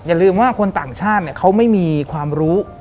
อย่าลืมว่าคนต่างชาติเขาไม่มีความรู้